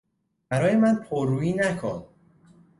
برای من پر رویی نکن!